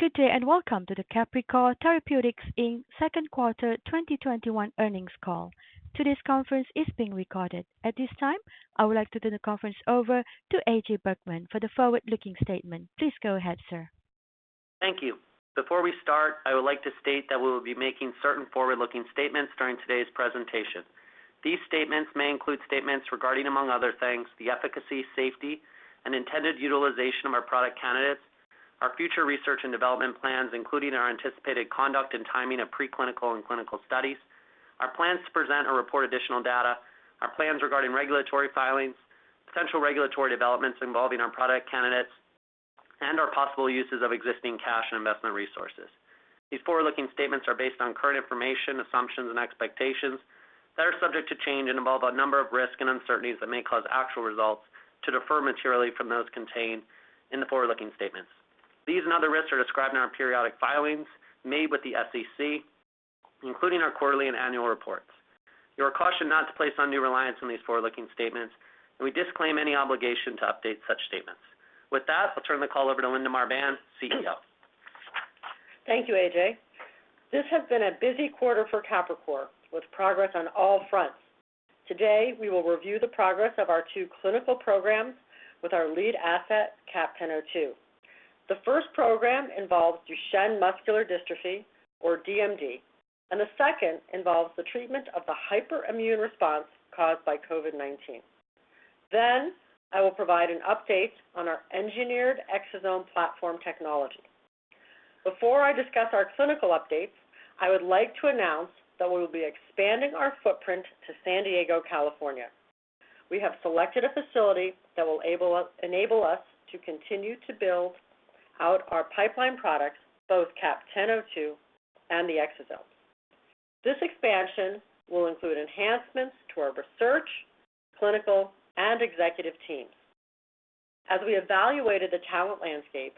Good day. Welcome to the Capricor Therapeutics Inc. second quarter 2021 earnings call. Today's conference is being recorded. At this time, I would like to turn the conference over to A.J. Bergmann for the forward-looking statement. Please go ahead, sir. Thank you. Before we start, I would like to state that we will be making certain forward-looking statements during today's presentation. These statements may include statements regarding, among other things, the efficacy, safety, and intended utilization of our product candidates, our future research and development plans, including our anticipated conduct and timing of pre-clinical and clinical studies, our plans to present or report additional data, our plans regarding regulatory filings, potential regulatory developments involving our product candidates, and our possible uses of existing cash and investment resources. These forward-looking statements are based on current information, assumptions, and expectations that are subject to change and involve a number of risks and uncertainties that may cause actual results to differ materially from those contained in the forward-looking statements. These and other risks are described in our periodic filings made with the SEC, including our quarterly and annual reports. You are cautioned not to place undue reliance on these forward-looking statements, and we disclaim any obligation to update such statements. With that, I'll turn the call over to Linda Marbán, CEO. Thank you, A.J. This has been a busy quarter for Capricor, with progress on all fronts. Today, we will review the progress of our two clinical programs with our lead asset, CAP-1002. The first program involves Duchenne Muscular Dystrophy, or DMD, the second involves the treatment of the hyperimmune response caused by COVID-19. I will provide an update on our engineered exosome platform technology. Before I discuss our clinical updates, I would like to announce that we will be expanding our footprint to San Diego, California. We have selected a facility that will enable us to continue to build out our pipeline products, both CAP-1002 and the exosome. This expansion will include enhancements to our research, clinical, and executive teams. As we evaluated the talent landscape,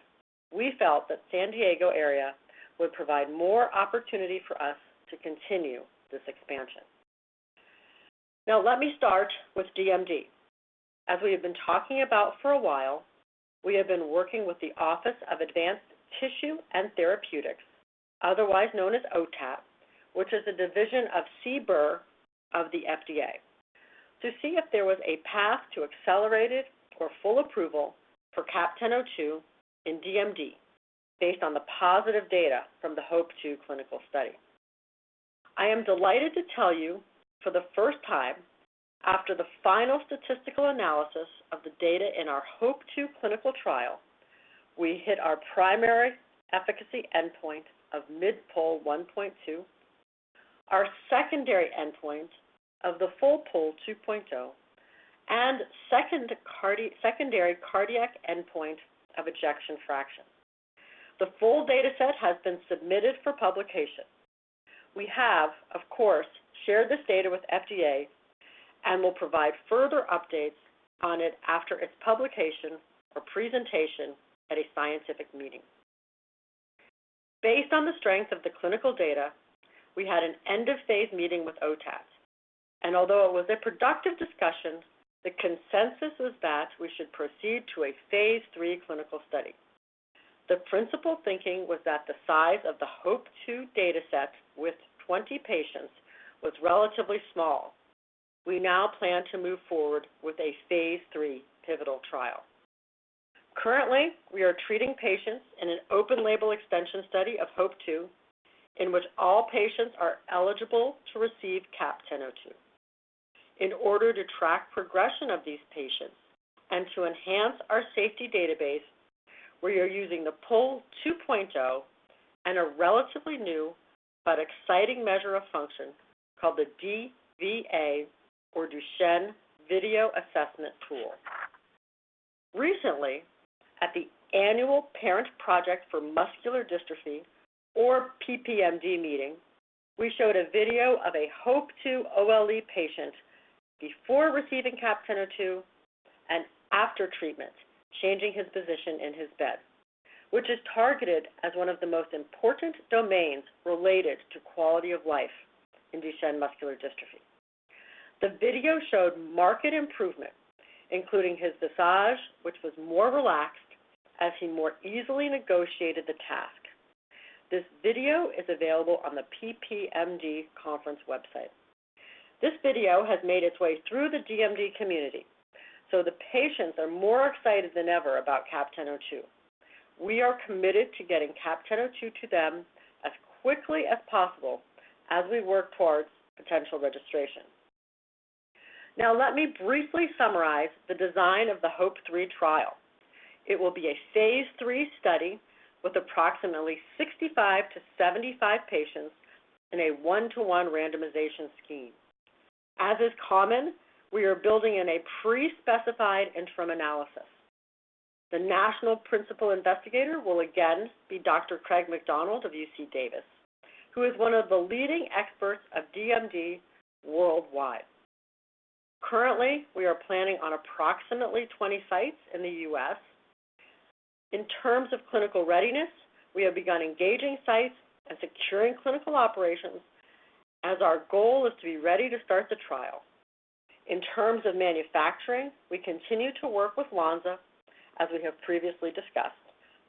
we felt that San Diego area would provide more opportunity for us to continue this expansion. Let me start with DMD. As we have been talking about for a while, we have been working with the Office of Tissues and Advanced Therapies, otherwise known as OTAT, which is a division of CBER of the FDA, to see if there was a path to accelerated or full approval for CAP-1002 in DMD based on the positive data from the HOPE-2 clinical study. I am delighted to tell you, for the first time, after the final statistical analysis of the data in our HOPE-2 clinical trial, we hit our primary efficacy endpoint of mid-PUL 1.2, our secondary endpoint of the PUL 2.0, and secondary cardiac endpoint of ejection fraction. The full data set has been submitted for publication. We have, of course, shared this data with FDA and will provide further updates on it after its publication or presentation at a scientific meeting. Based on the strength of the clinical data, we had an end of phase meeting with OTAT, although it was a productive discussion, the consensus was that we should proceed to a phase III clinical study. The principal thinking was that the size of the HOPE-2 data set with 20 patients was relatively small. We now plan to move forward with a phase III pivotal trial. Currently, we are treating patients in an open-label extension study of HOPE-2, in which all patients are eligible to receive CAP-1002. In order to track progression of these patients and to enhance our safety database, we are using the PUL 2.0 and a relatively new but exciting measure of function called the DVA or Duchenne Video Assessment tool. Recently, at the Annual Parent Project Muscular Dystrophy, or PPMD meeting, we showed a video of a HOPE-2 OLE patient before receiving CAP-1002 and after treatment, changing his position in his bed, which is targeted as one of the most important domains related to quality of life in Duchenne Muscular Dystrophy. The video showed marked improvement, including his visage, which was more relaxed as he more easily negotiated the task. This video is available on the PPMD conference website. This video has made its way through the DMD community, the patients are more excited than ever about CAP-1002. We are committed to getting CAP-1002 to them as quickly as possible as we work towards potential registration. Let me briefly summarize the design of the HOPE-3 trial. It will be a phase III study with approximately 65 to 75 patients in a one-to-one randomization scheme. As is common, we are building in a pre-specified interim analysis. The national principal investigator will again be Dr. Craig McDonald of UC Davis, who is one of the leading experts of DMD worldwide. Currently, we are planning on approximately 20 sites in the U.S. In terms of clinical readiness, we have begun engaging sites and securing clinical operations as our goal is to be ready to start the trial. In terms of manufacturing, we continue to work with Lonza, as we have previously discussed,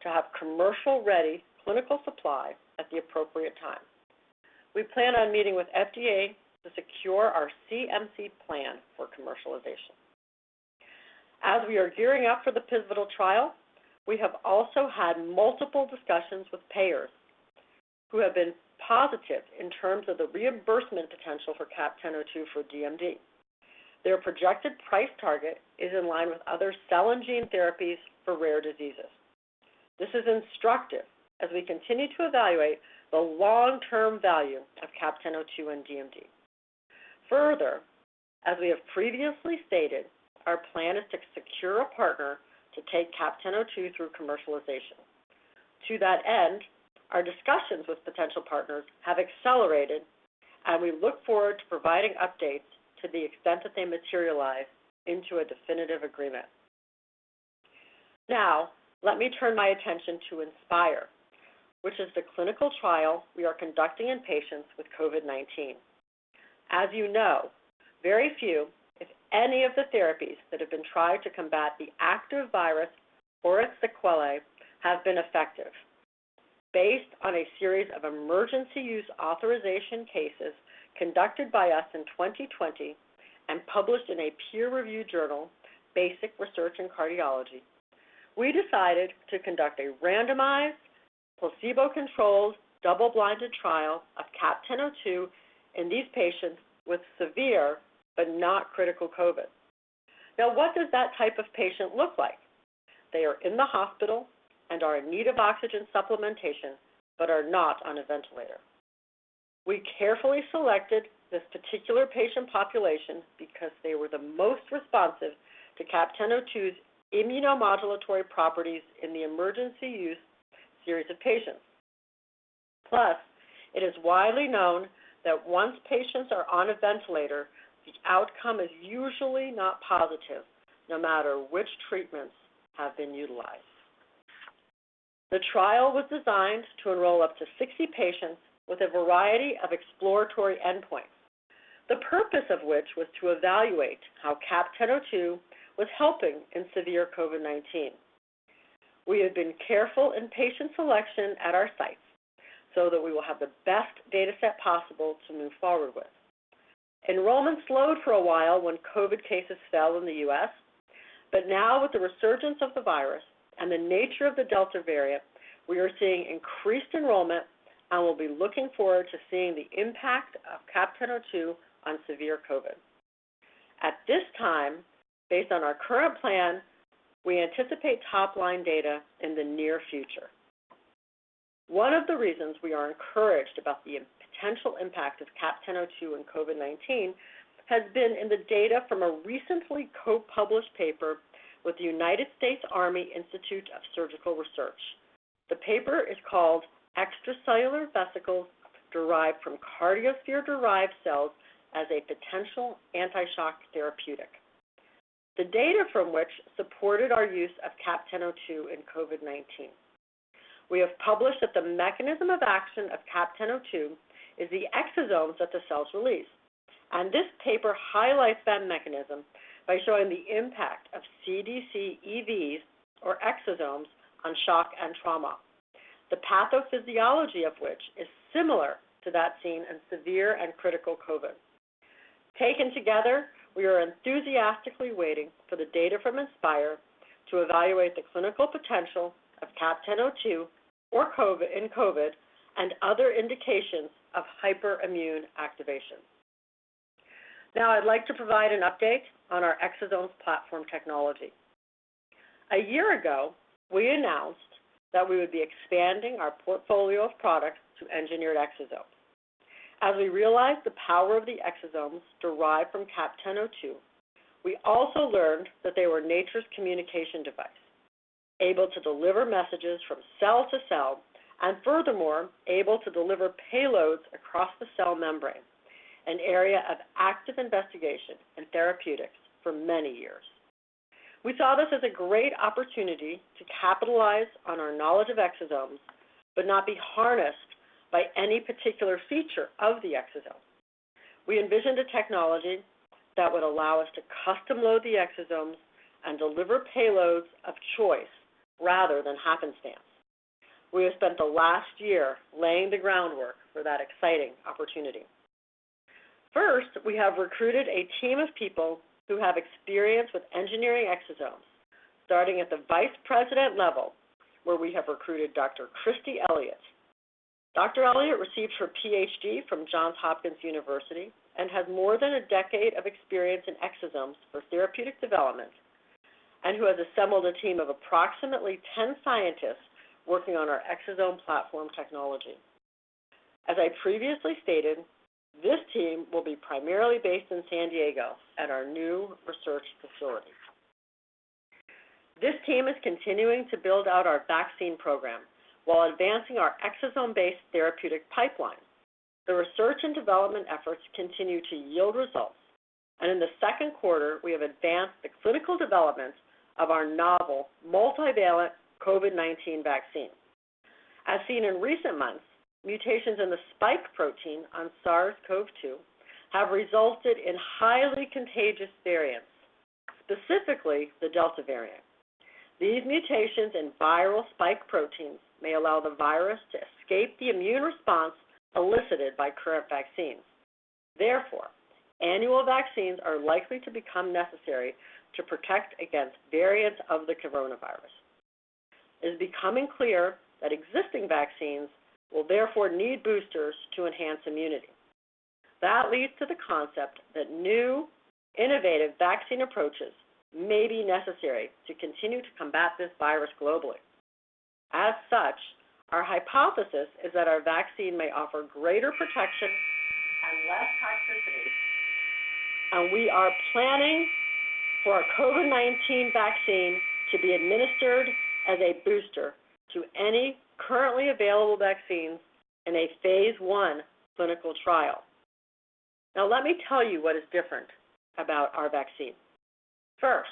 to have commercial-ready clinical supply at the appropriate time. We plan on meeting with FDA to secure our CMC plan for commercialization. We have also had multiple discussions with payers who have been positive in terms of the reimbursement potential for CAP-1002 for DMD. Their projected price target is in line with other cell and gene therapies for rare diseases. This is instructive as we continue to evaluate the long-term value of CAP-1002 in DMD. Further, as we have previously stated, our plan is to secure a partner to take CAP-1002 through commercialization. To that end, our discussions with potential partners have accelerated, and we look forward to providing updates to the extent that they materialize into a definitive agreement. Now, let me turn my attention to INSPIRE, which is the clinical trial we are conducting in patients with COVID-19. As you know, very few, if any, of the therapies that have been tried to combat the active virus or its sequelae have been effective. Based on a series of emergency use authorization cases conducted by us in 2020 and published in a peer-reviewed journal, Basic Research in Cardiology, we decided to conduct a randomized, placebo-controlled, double-blinded trial of CAP-1002 in these patients with severe but not critical COVID. What does that type of patient look like? They are in the hospital and are in need of oxygen supplementation, but are not on a ventilator. We carefully selected this particular patient population because they were the most responsive to CAP-1002's immunomodulatory properties in the emergency use series of patients. It is widely known that once patients are on a ventilator, the outcome is usually not positive, no matter which treatments have been utilized. The trial was designed to enroll up to 60 patients with a variety of exploratory endpoints, the purpose of which was to evaluate how CAP-1002 was helping in severe COVID-19. We have been careful in patient selection at our sites so that we will have the best data set possible to move forward with. Enrollment slowed for a while when COVID-19 cases fell in the U.S., but now with the resurgence of the virus and the nature of the Delta variant, we are seeing increased enrollment and will be looking forward to seeing the impact of CAP-1002 on severe COVID-19. At this time, based on our current plan, we anticipate top-line data in the near future. One of the reasons we are encouraged about the potential impact of CAP-1002 in COVID-19 has been in the data from a recently co-published paper with the United States Army Institute of Surgical Research. The paper is called "Extracellular Vesicles Derived from Cardiosphere-Derived Cells as a Potential Anti-Shock Therapeutic." The data from which supported our use of CAP-1002 in COVID-19. We have published that the mechanism of action of CAP-1002 is the exosomes that the cells release, and this paper highlights that mechanism by showing the impact of CDC-EVs, or exosomes, on shock and trauma, the pathophysiology of which is similar to that seen in severe and critical COVID. Taken together, we are enthusiastically waiting for the data from INSPIRE to evaluate the clinical potential of CAP-1002 in COVID and other indications of hyperimmune activation. I'd like to provide an update on our exosomes platform technology. A year ago, we announced that we would be expanding our portfolio of products to engineered exosomes. As we realized the power of the exosomes derived from CAP-1002, we also learned that they were nature's communication device, able to deliver messages from cell to cell, and furthermore, able to deliver payloads across the cell membrane, an area of active investigation in therapeutics for many years. We saw this as a great opportunity to capitalize on our knowledge of exosomes, but not be harnessed by any particular feature of the exosomes. We envisioned a technology that would allow us to custom-load the exosomes and deliver payloads of choice rather than happenstance. We have spent the last year laying the groundwork for that exciting opportunity. First, we have recruited a team of people who have experience with engineering exosomes, starting at the vice president level, where we have recruited Dr. Kristi Elliott. Dr. Elliott received her PhD from Johns Hopkins University and has more than a decade of experience in exosomes for therapeutic development and who has assembled a team of approximately 10 scientists working on our exosome platform technology. As I previously stated, this team will be primarily based in San Diego at our new research facility. This team is continuing to build out our vaccine program while advancing our exosome-based therapeutic pipeline. The research and development efforts continue to yield results, and in the second quarter, we have advanced the clinical development of our novel multivalent COVID-19 vaccine. As seen in recent months, mutations in the spike protein on SARS-CoV-2 have resulted in highly contagious variants, specifically the Delta variant. These mutations in viral spike proteins may allow the virus to escape the immune response elicited by current vaccines. Therefore, annual vaccines are likely to become necessary to protect against variants of the coronavirus. It is becoming clear that existing vaccines will therefore need boosters to enhance immunity. That leads to the concept that new innovative vaccine approaches may be necessary to continue to combat this virus globally. As such, our hypothesis is that our vaccine may offer greater protection and less toxicity, and we are planning for our COVID-19 vaccine to be administered as a booster to any currently available vaccines in a phase I clinical trial. Now, let me tell you what is different about our vaccine. First,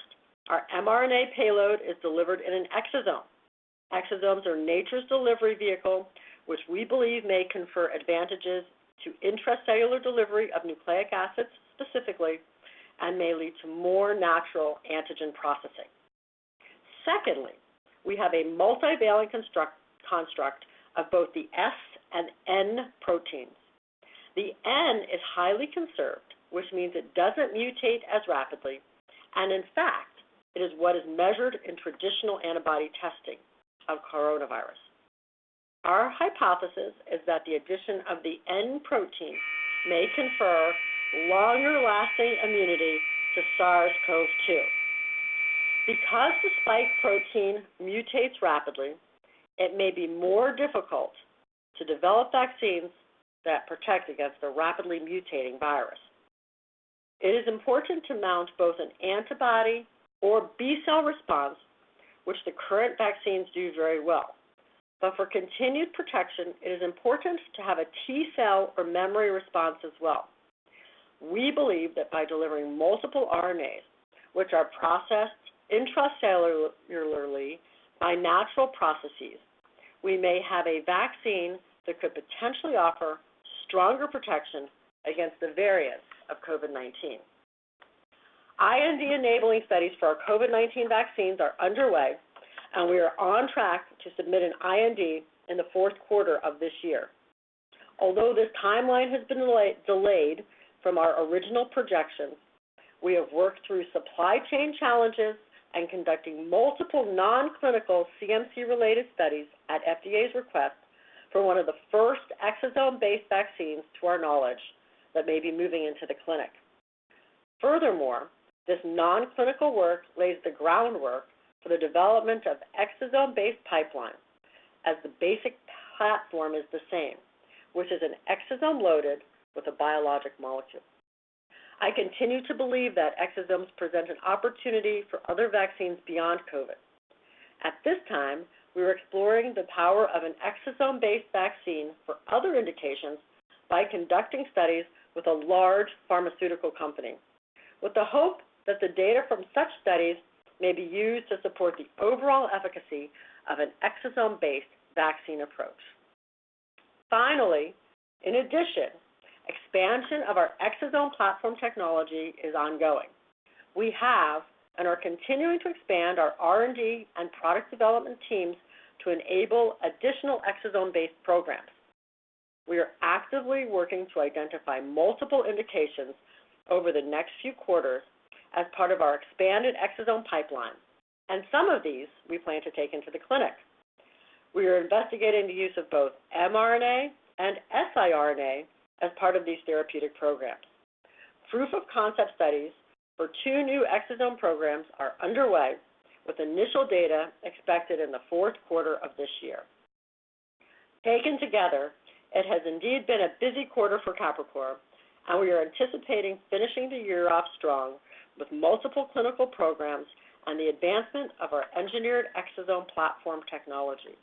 our mRNA payload is delivered in an exosome. Exosomes are nature's delivery vehicle, which we believe may confer advantages to intracellular delivery of nucleic acids specifically, and may lead to more natural antigen processing. Secondly, we have a multivalent construct of both the S and N proteins. The N is highly conserved, which means it doesn't mutate as rapidly, and in fact, it is what is measured in traditional antibody testing of coronavirus. Our hypothesis is that the addition of the N protein may confer longer-lasting immunity to SARS-CoV-2. Because the spike protein mutates rapidly, it may be more difficult to develop vaccines that protect against the rapidly mutating virus. It is important to mount both an antibody or B-cell response, which the current vaccines do very well. For continued protection, it is important to have a T-cell or memory response as well. We believe that by delivering multiple RNAs, which are processed intracellularly by natural processes, we may have a vaccine that could potentially offer stronger protection against the variants of COVID-19. IND-enabling studies for our COVID-19 vaccines are underway. We are on track to submit an IND in the 4th quarter of this year. Although this timeline has been delayed from our original projections, we have worked through supply chain challenges and conducting multiple non-clinical CMC-related studies at FDA's request for one of the first exosome-based vaccines, to our knowledge, that may be moving into the clinic. This non-clinical work lays the groundwork for the development of exosome-based pipeline, as the basic platform is the same, which is an exosome loaded with a biologic molecule. I continue to believe that exosomes present an opportunity for other vaccines beyond COVID. At this time, we are exploring the power of an exosome-based vaccine for other indications by conducting studies with a large pharmaceutical company, with the hope that the data from such studies may be used to support the overall efficacy of an exosome-based vaccine approach. Finally, in addition, expansion of our exosome platform technology is ongoing. We have and are continuing to expand our R&D and product development teams to enable additional exosome-based programs. We are actively working to identify multiple indications over the next few quarters as part of our expanded exosome pipeline, and some of these we plan to take into the clinic. We are investigating the use of both mRNA and siRNA as part of these therapeutic programs. Proof of concept studies for two new exosome programs are underway, with initial data expected in the fourth quarter of this year. Taken together, it has indeed been a busy quarter for Capricor, and we are anticipating finishing the year off strong with multiple clinical programs on the advancement of our engineered exosome platform technology.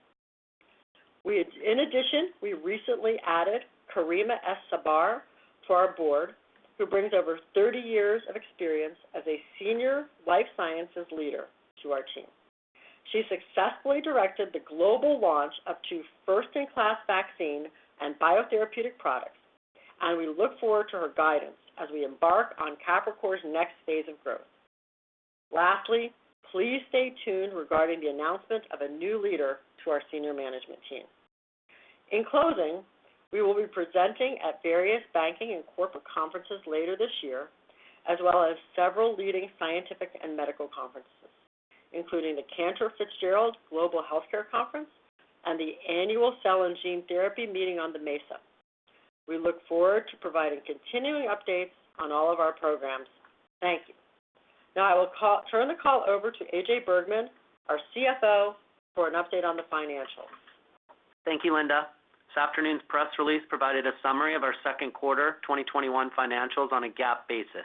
In addition, we recently added Karimah Es Sabar to our board, who brings over 30 years of experience as a senior life sciences leader to our team. She successfully directed the global launch of two first-in-class vaccine and biotherapeutic products, and we look forward to her guidance as we embark on Capricor's next phase of growth. Lastly, please stay tuned regarding the announcement of a new leader to our senior management team. In closing, we will be presenting at various banking and corporate conferences later this year, as well as several leading scientific and medical conferences, including the Cantor Fitzgerald Global Healthcare Conference and the Cell & Gene Meeting on the Mesa. We look forward to providing continuing updates on all of our programs. Thank you. Now I will turn the call over to A.J. Bergmann, our CFO, for an update on the financials. Thank you, Linda. This afternoon's press release provided a summary of our second quarter 2021 financials on a GAAP basis.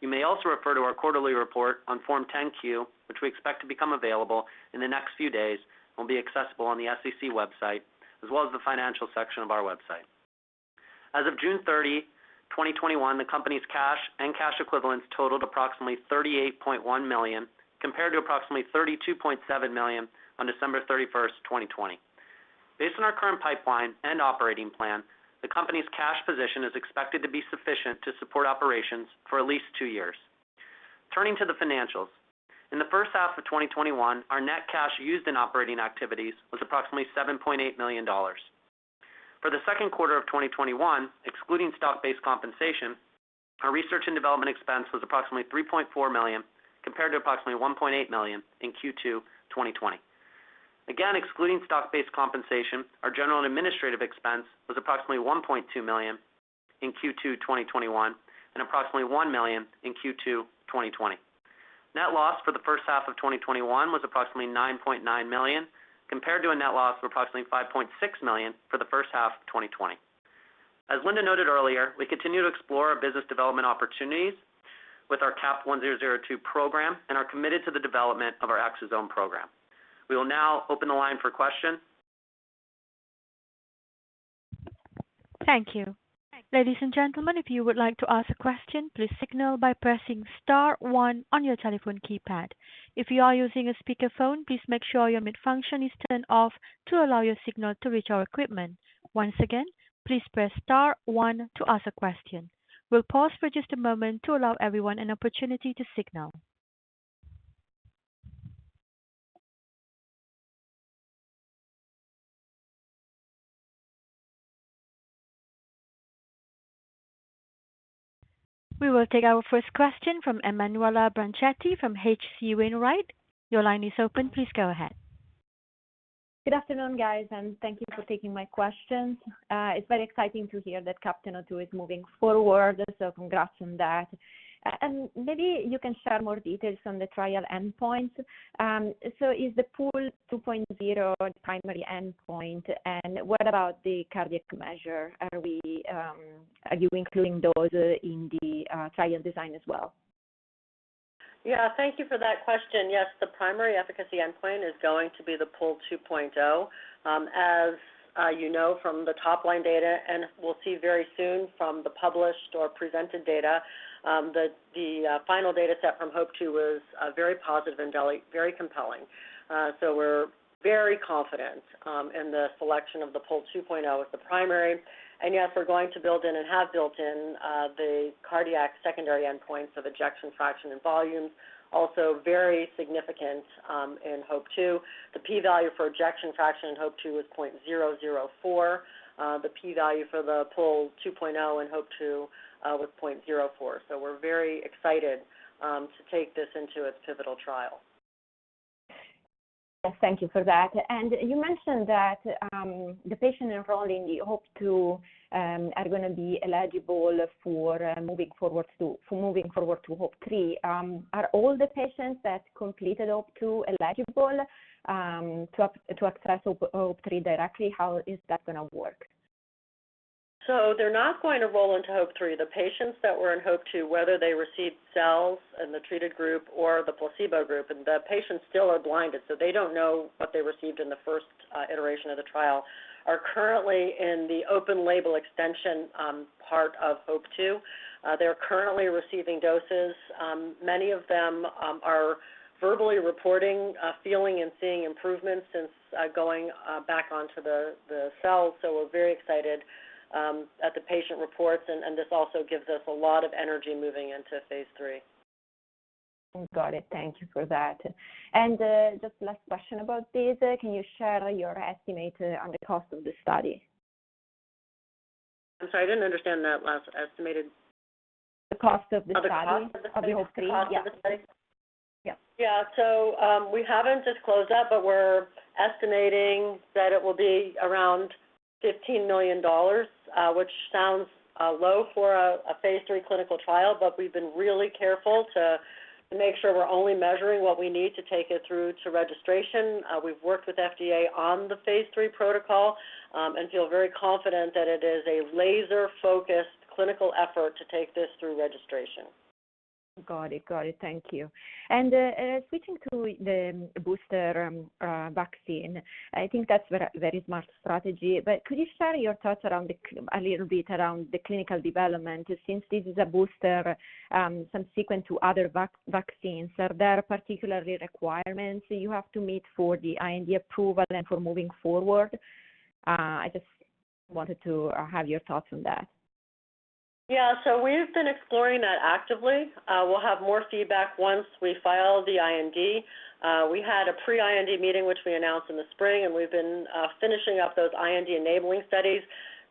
You may also refer to our quarterly report on Form 10-Q, which we expect to become available in the next few days and will be accessible on the SEC website, as well as the financial section of our website. As of June 30, 2021, the company's cash and cash equivalents totaled approximately $38.1 million, compared to approximately $32.7 million on December 31st, 2020. Based on our current pipeline and operating plan, the company's cash position is expected to be sufficient to support operations for at least two years. Turning to the financials. In the first half of 2021, our net cash used in operating activities was approximately $7.8 million. For the second quarter of 2021, excluding stock-based compensation, our research and development expense was approximately $3.4 million, compared to approximately $1.8 million in Q2 2020. Again, excluding stock-based compensation, our general and administrative expense was approximately $1.2 million in Q2 2021, and approximately $1 million in Q2 2020. Net loss for the first half of 2021 was approximately $9.9 million, compared to a net loss of approximately $5.6 million for the first half of 2020. As Linda noted earlier, we continue to explore our business development opportunities with our CAP-1002 program and are committed to the development of our exosome program. We will now open the line for questions. Thank you. Ladies and gentlemen, if you would like to ask a question, please signal by pressing star one on your telephone keypad. If you are using a speakerphone, please make sure your mute function is turned off to allow your signal to reach our equipment. Once again, please press star one to ask a question. We will pause for just a moment to allow everyone an opportunity to signal. We will take our first question from Emanuela Branchetti from H.C. Wainwright. Your line is open. Please go ahead. Good afternoon, guys, and thank you for taking my questions. It's very exciting to hear that CAP-1002 is moving forward, so congrats on that. Maybe you can share more details on the trial endpoint. Is the PUL 2.0 the primary endpoint, and what about the cardiac measure? Are you including those in the trial design as well? Yeah. Thank you for that question. Yes, the primary efficacy endpoint is going to be the PUL 2.0. As you know from the top-line data, and we'll see very soon from the published or presented data, the final data set from HOPE-2 was very positive and very compelling. We're very confident in the selection of the PUL 2.0 as the primary. Yes, we're going to build in and have built in the cardiac secondary endpoints of ejection fraction and volumes, also very significant in HOPE-2. The P value for ejection fraction in HOPE-2 was 0.004. The P value for the PUL 2.0 in HOPE-2 was 0.04. We're very excited to take this into its pivotal trial. Yes. Thank you for that. You mentioned that the patient enrolled in the HOPE-2 are going to be eligible for moving forward to HOPE-3. Are all the patients that completed HOPE-2 eligible to access HOPE-3 directly? How is that going to work? They're not going to roll into HOPE-3. The patients that were in HOPE-2, whether they received cells in the treated group or the placebo group, and the patients still are blinded, so they don't know what they received in the first iteration of the trial, are currently in the open-label extension part of HOPE-2. They're currently receiving doses. Many of them are verbally reporting feeling and seeing improvements since going back onto the cells. We're very excited at the patient reports, and this also gives us a lot of energy moving into phase III. Got it. Thank you for that. Just last question about this, can you share your estimate on the cost of the study? I'm sorry, I didn't understand that last. The cost of the study. Oh, the cost of the study. Of the HOPE-3. Yeah. We haven't disclosed that, but we're estimating that it will be around $15 million, which sounds low for a phase III clinical trial, but we've been really careful to make sure we're only measuring what we need to take it through to registration. We've worked with FDA on the phase III protocol and feel very confident that it is a laser-focused clinical effort to take this through registration. Got it. Thank you. Switching to the booster vaccine, I think that's very smart strategy. Could you share your thoughts a little bit around the clinical development since this is a booster subsequent to other vaccines? Are there particular requirements you have to meet for the IND approval and for moving forward? I just wanted to have your thoughts on that. Yeah. We've been exploring that actively. We'll have more feedback once we file the IND. We had a pre-IND meeting, which we announced in the spring, and we've been finishing up those IND enabling studies.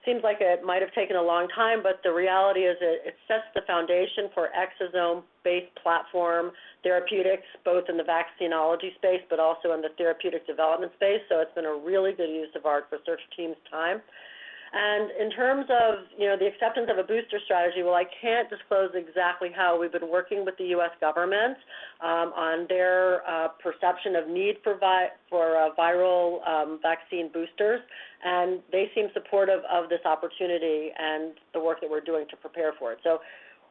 Seems like it might have taken a long time, but the reality is it sets the foundation for exosome-based platform therapeutics, both in the vaccinology space, but also in the therapeutic development space. It's been a really good use of our research team's time. In terms of the acceptance of a booster strategy, while I can't disclose exactly how we've been working with the U.S. government on their perception of need for viral vaccine boosters, and they seem supportive of this opportunity and the work that we're doing to prepare for it.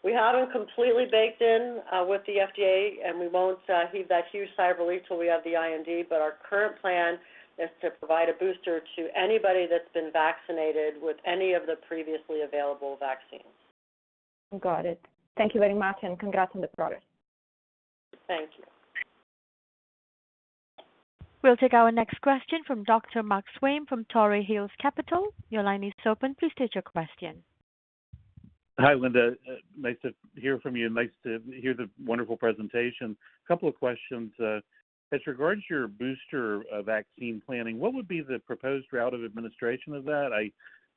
We haven't completely baked in with the FDA, and we won't heave that huge sigh of relief till we have the IND. Our current plan is to provide a booster to anybody that's been vaccinated with any of the previously available vaccines. Got it. Thank you very much, and congrats on the progress. Thank you. We'll take our next question from Dr. Mark Swaim from Torrey Hills Capital. Your line is open. Please state your question. Hi, Linda Marbán. Nice to hear from you, and nice to hear the wonderful presentation. A couple of questions. As regards your booster vaccine planning, what would be the proposed route of administration of that?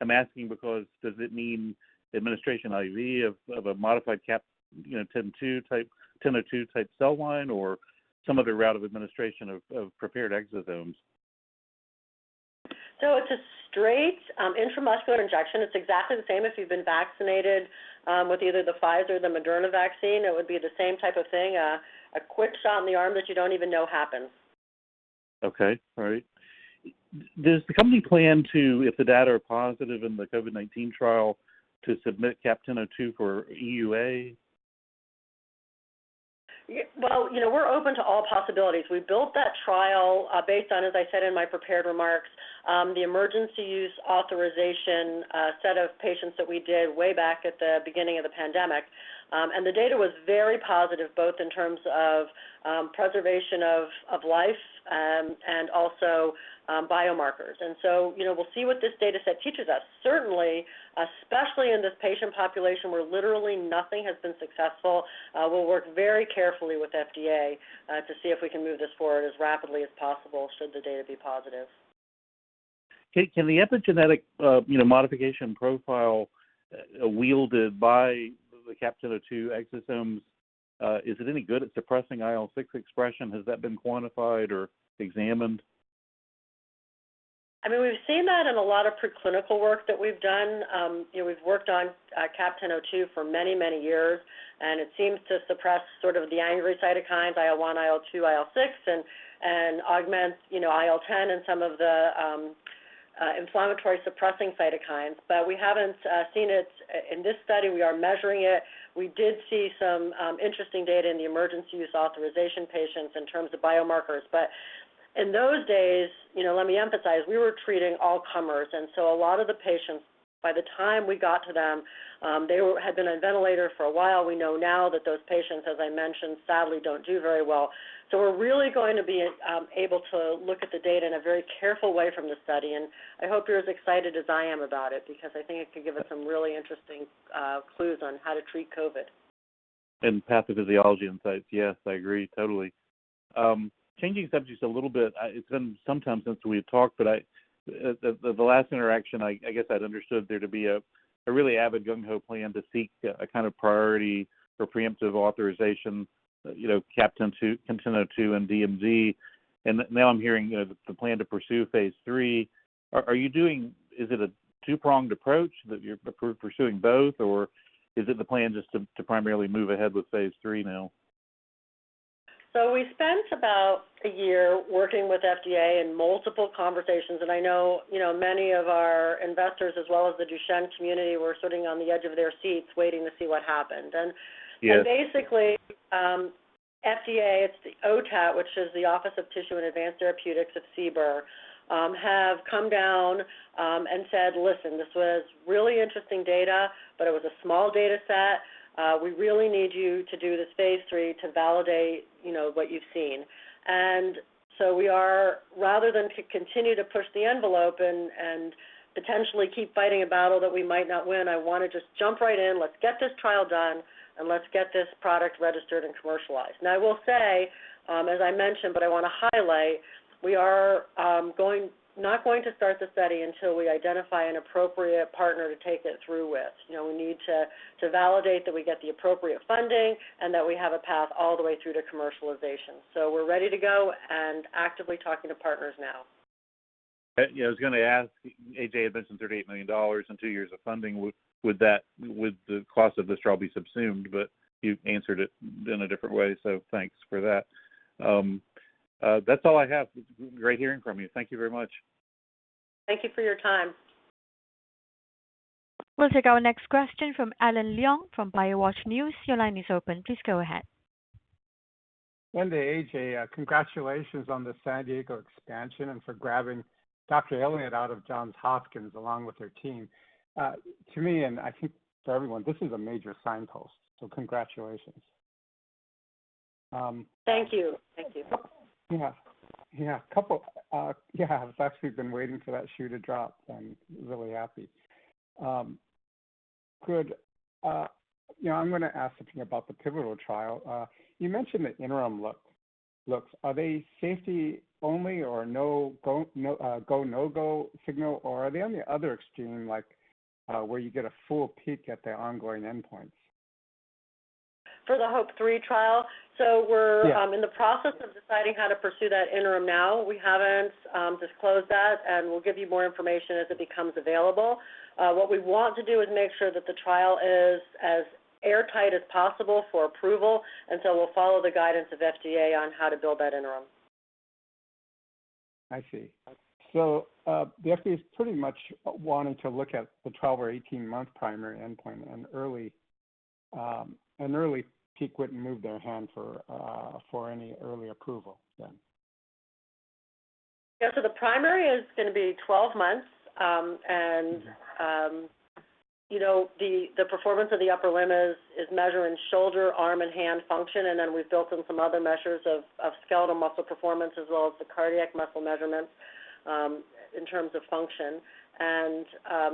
I'm asking because does it mean administration IV of a modified CAP-1002 type cell line or some other route of administration of prepared exosomes? It's a straight intramuscular injection. It's exactly the same if you've been vaccinated with either the Pfizer or the Moderna vaccine. It would be the same type of thing, a quick shot in the arm that you don't even know happened. Okay. All right. Does the company plan to, if the data are positive in the COVID-19 trial, to submit CAP-1002 for EUA? Well, we're open to all possibilities. We built that trial based on, as I said in my prepared remarks, the emergency use authorization set of patients that we did way back at the beginning of the pandemic. The data was very positive, both in terms of preservation of life and also biomarkers. We'll see what this data set teaches us. Certainly, especially in this patient population where literally nothing has been successful, we'll work very carefully with FDA to see if we can move this forward as rapidly as possible should the data be positive. Okay. Can the epigenetic modification profile wielded by the CAP-1002 exosomes, is it any good at suppressing IL-6 expression? Has that been quantified or examined? I mean, we've seen that in a lot of preclinical work that we've done. We've worked on CAP-1002 for many, many years, and it seems to suppress sort of the angry cytokines, IL-1, IL-2, IL-6, and augments IL-10 and some of the inflammatory suppressing cytokines. We haven't seen it in this study. We are measuring it. We did see some interesting data in the emergency use authorization patients in terms of biomarkers. In those days, let me emphasize, we were treating all comers, and so a lot of the patients, by the time we got to them, they had been on a ventilator for a while. We know now that those patients, as I mentioned, sadly, don't do very well. We're really going to be able to look at the data in a very careful way from the study, and I hope you're as excited as I am about it, because I think it could give us some really interesting clues on how to treat COVID. Pathophysiology insights. Yes, I agree totally. Changing subjects a little bit. It's been some time since we had talked, but the last interaction, I guess I'd understood there to be a really avid, gung-ho plan to seek a kind of priority for preemptive authorization, CAP-1002 and DMD, and now I'm hearing the plan to pursue phase III. Is it a two-pronged approach that you're pursuing both, or is it the plan just to primarily move ahead with phase III now? We spent about a year working with FDA in multiple conversations, and I know many of our investors, as well as the Duchenne community, were sitting on the edge of their seats waiting to see what happened. Yes. Basically, FDA, it's the OTAT, which is the Office of Tissues and Advanced Therapies of CBER, have come down and said, "Listen, this was really interesting data, but it was a small data set. We really need you to do this phase III to validate what you've seen." Rather than to continue to push the envelope and potentially keep fighting a battle that we might not win, I want to just jump right in. Let's get this trial done, and let's get this product registered and commercialized. I will say, as I mentioned, but I want to highlight, we are not going to start the study until we identify an appropriate partner to take it through with. We need to validate that we get the appropriate funding and that we have a path all the way through to commercialization. We're ready to go and actively talking to partners now. I was going to ask, A.J., it had been some $38 million and 2 years of funding. Would the cost of this trial be subsumed? You answered it in a different way, so thanks for that. That's all I have. Great hearing from you. Thank you very much. Thank you for your time. We'll take our next question from Alan Leong from BioWatch News. Your line is open. Please go ahead. Linda, A.J., congratulations on the San Diego expansion and for grabbing Dr. Elliott out of Johns Hopkins along with her team. To me, and I think to everyone, this is a major signpost. Congratulations. Thank you. Yeah. I've actually been waiting for that shoe to drop. I'm really happy. I'm going to ask something about the pivotal trial. You mentioned the interim looks. Are they safety only, or go, no-go signal, or are they on the other extreme, like where you get a full peek at the ongoing endpoints? For the HOPE-3 trial? Yeah. We're in the process of deciding how to pursue that interim now. We haven't disclosed that, and we'll give you more information as it becomes available. What we want to do is make sure that the trial is as airtight as possible for approval. We'll follow the guidance of FDA on how to build that interim. I see. The FDA's pretty much wanting to look at the 12 or 18-month primary endpoint, an early peek wouldn't move their hand for any early approval then? The primary is going to be 12 months. The Performance of the Upper Limb is measuring shoulder, arm, and hand function, and then we've built in some other measures of skeletal muscle performance as well as the cardiac muscle measurements in terms of function.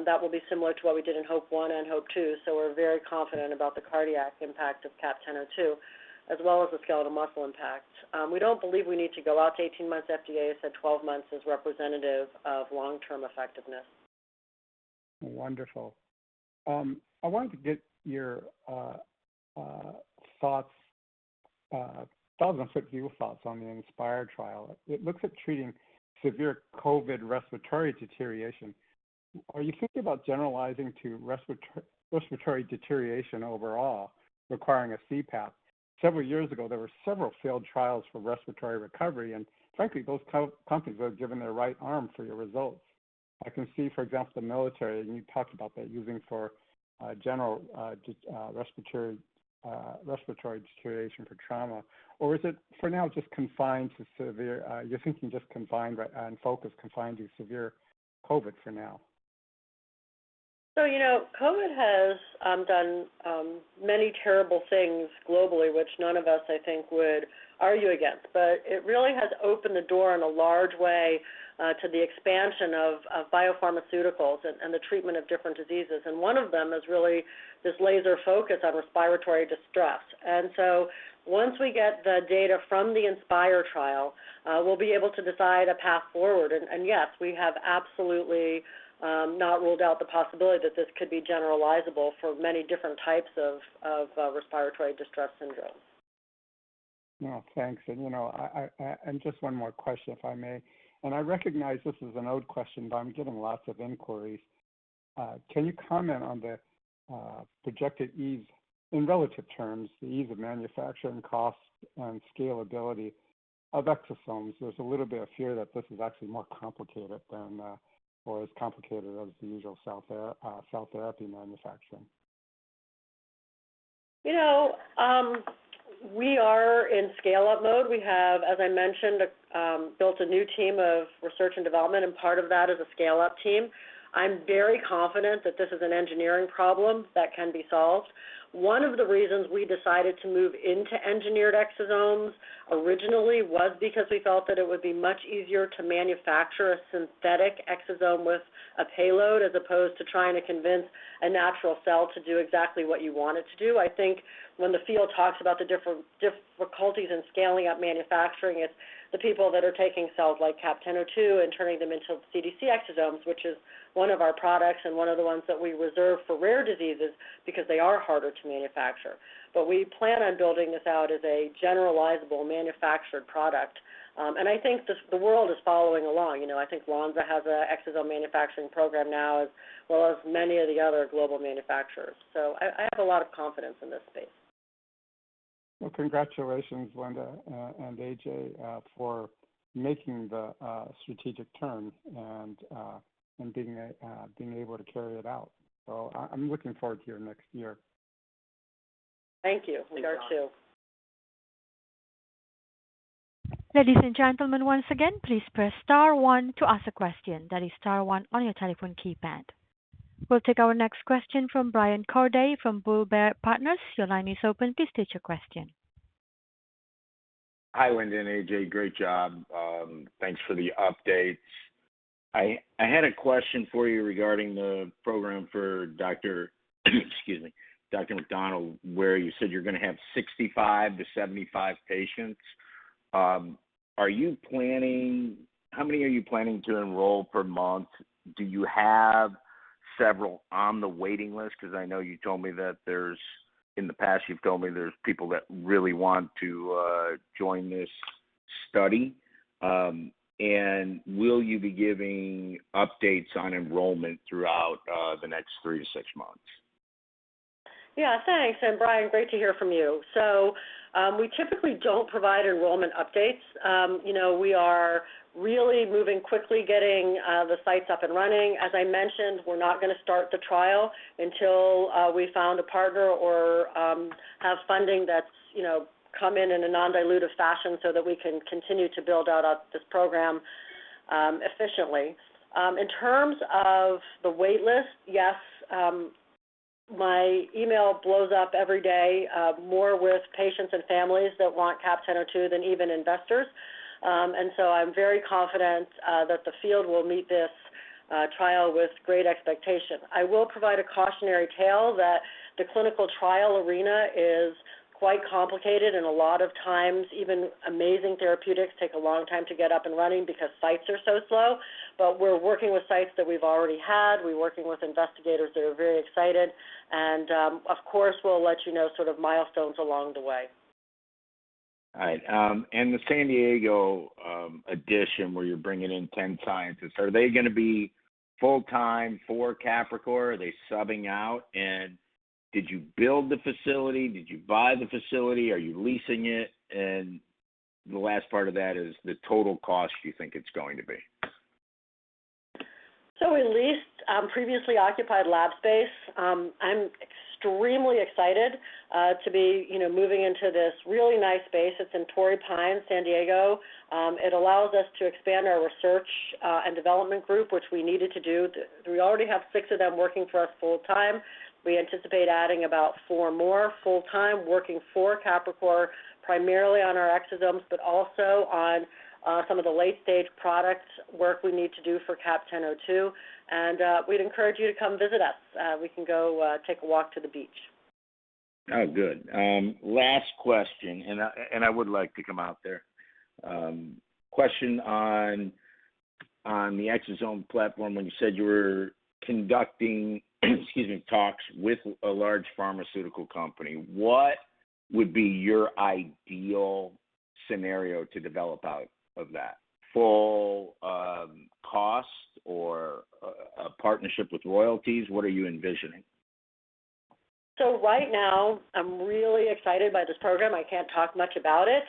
That will be similar to what we did in HOPE-1 and HOPE-2, so we're very confident about the cardiac impact of CAP-1002, as well as the skeletal muscle impact. We don't believe we need to go out to 18 months. FDA said 12 months is representative of long-term effectiveness. Wonderful. I wanted to get your thoughts, 1,000-foot view thoughts on the INSPIRE trial. It looks at treating severe COVID-19 respiratory deterioration. Are you thinking about generalizing to respiratory deterioration overall requiring a CPAP? Several years ago, there were several failed trials for respiratory recovery, and frankly, those companies would have given their right arm for your results. I can see, for example, the military, and you talked about that, using for general respiratory deterioration for trauma. You're thinking just confined, right, and focus confined to severe COVID-19 for now? You know, COVID has done many terrible things globally, which none of us, I think, would argue against. It really has opened the door in a large way to the expansion of biopharmaceuticals and the treatment of different diseases. One of them is really this laser focus on respiratory distress. Once we get the data from the INSPIRE trial, we'll be able to decide a path forward. Yes, we have absolutely not ruled out the possibility that this could be generalizable for many different types of respiratory distress syndrome. No, thanks. Just one more question, if I may. I recognize this is an old question, but I'm getting lots of inquiries. Can you comment on the projected ease, in relative terms, the ease of manufacturing costs and scalability of exosomes? There's a little bit of fear that this is actually more complicated than or as complicated as the usual cell therapy manufacturing. We are in scale-up mode. We have, as I mentioned, built a new team of research and development, and part of that is a scale-up team. I'm very confident that this is an engineering problem that can be solved. One of the reasons we decided to move into engineered exosomes originally was because we felt that it would be much easier to manufacture a synthetic exosome with a payload, as opposed to trying to convince a natural cell to do exactly what you want it to do. I think when the field talks about the difficulties in scaling up manufacturing, it's the people that are taking cells like CAP-1002 and turning them into CDC exosomes, which is one of our products and one of the ones that we reserve for rare diseases because they are harder to manufacture. We plan on building this out as a generalizable manufactured product. I think the world is following along. I think Lonza has an exosome manufacturing program now, as well as many of the other global manufacturers. I have a lot of confidence in this space. Well, congratulations, Linda and A.J., for making the strategic turn and being able to carry it out. I'm looking forward to your next year. Thank you. We are too. Thanks, Linda. Ladies and gentlemen, once again, please press star one to ask a question. That is star one on your telephone keypad. We will take our next question from Brian Corday from BullBear Partners. Your line is open. Please state your question. Hi, Linda and A.J. Great job. Thanks for the updates. I had a question for you regarding the program for Dr. excuse me, Dr. McDonald, where you said you're going to have 65-75 patients. How many are you planning to enroll per month? Do you have several on the waiting list? Because I know you told me that in the past, you've told me there's people that really want to join this study. Will you be giving updates on enrollment throughout the next three to six months? Thanks. Brian, great to hear from you. We typically don't provide enrollment updates. We are really moving quickly, getting the sites up and running. As I mentioned, we're not going to start the trial until we've found a partner or have funding that's come in in a non-dilutive fashion so that we can continue to build out this program efficiently. In terms of the wait list, yes, my email blows up every day more with patients and families that want CAP-1002 than even investors. I'm very confident that the field will meet this trial with great expectation. I will provide a cautionary tale that the clinical trial arena is quite complicated, and a lot of times even amazing therapeutics take a long time to get up and running because sites are so slow. We're working with sites that we've already had. We're working with investigators that are very excited. Of course, we'll let you know sort of milestones along the way. All right. In the San Diego addition, where you're bringing in 10 scientists, are they going to be full-time for Capricor? Are they subbing out? Did you build the facility? Did you buy the facility? Are you leasing it? The last part of that is the total cost you think it's going to be? We leased previously occupied lab space. I'm extremely excited to be moving into this really nice space. It's in Torrey Pines, San Diego. It allows us to expand our research and development group, which we needed to do. We already have six of them working for us full time. We anticipate adding about four more full time working for Capricor, primarily on our exosomes, but also on some of the late-stage product work we need to do for CAP-1002, and we'd encourage you to come visit us. We can go take a walk to the beach. Oh, good. Last question. I would like to come out there. Question on the exosome platform, when you said you were conducting, excuse me, talks with a large pharmaceutical company, what would be your ideal scenario to develop out of that? Full cost or a partnership with royalties? What are you envisioning? Right now, I'm really excited by this program. I can't talk much about it.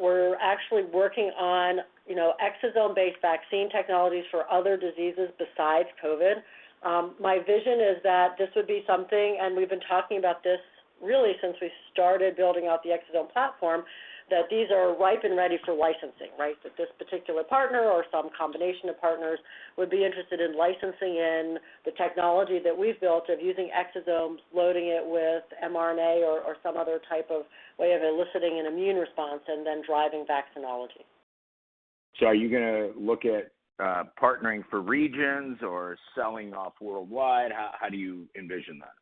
We're actually working on exosome-based vaccine technologies for other diseases besides COVID. My vision is that this would be something, and we've been talking about this really since we started building out the exosome platform, that these are ripe and ready for licensing. That this particular partner or some combination of partners would be interested in licensing in the technology that we've built of using exosomes, loading it with mRNA or some other type of way of eliciting an immune response, and then driving vaccinology. Are you going to look at partnering for regions or selling off worldwide? How do you envision that?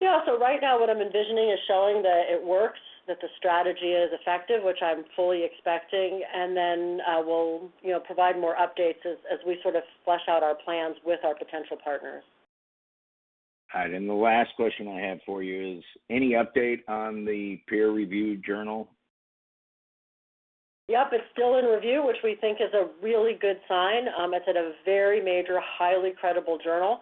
Yeah. Right now, what I'm envisioning is showing that it works, that the strategy is effective, which I'm fully expecting, and then we'll provide more updates as we sort of flesh out our plans with our potential partners. All right. The last question I have for you is, any update on the peer-reviewed journal? Yep. It's still in review, which we think is a really good sign. It's at a very major, highly credible journal.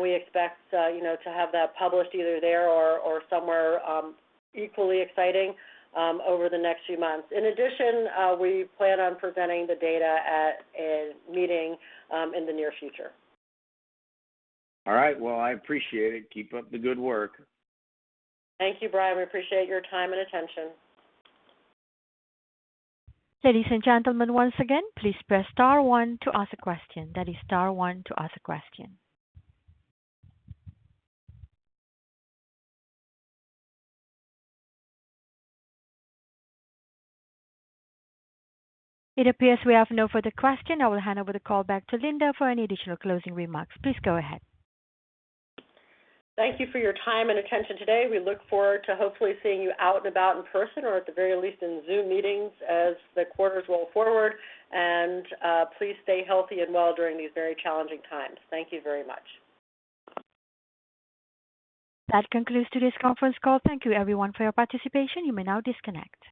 We expect to have that published either there or somewhere equally exciting over the next few months. In addition, we plan on presenting the data at a meeting in the near future. All right. Well, I appreciate it. Keep up the good work. Thank you, Brian. We appreciate your time and attention. Ladies and gentlemen, once again, please press star one to ask a question. That is star one to ask a question. It appears we have no further question. I will hand over the call back to Linda for any additional closing remarks. Please go ahead. Thank you for your time and attention today. We look forward to hopefully seeing you out and about in person or at the very least in Zoom meetings as the quarters roll forward. Please stay healthy and well during these very challenging times. Thank you very much. That concludes today's conference call. Thank you everyone for your participation. You may now disconnect.